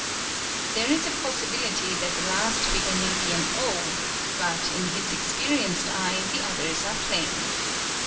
"There is a possibility that the last figure may be an O—but, in his experienced eye, the others are plain.